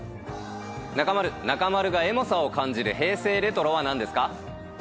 中丸、中丸がエモさを感じる平成レトロはなんですか。